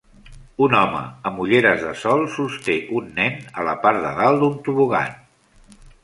un home amb ulleres de sol sosté un nen a la part de dalt d'un tobogan